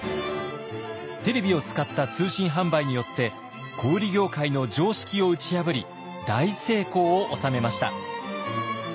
テレビを使った通信販売によって小売業界の常識を打ち破り大成功を収めました。